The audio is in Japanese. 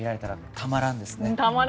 たまらんです。